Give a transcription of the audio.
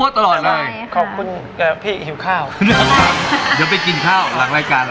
เดี๋ยวไปกินข้าวหลังรายการ